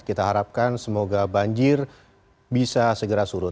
kita harapkan semoga banjir bisa segera surut